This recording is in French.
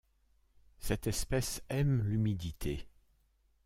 Cette espèce aime l'humidité.